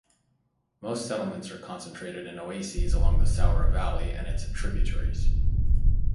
Most settlements are concentrated in oases along the Saoura valley and its tributaries.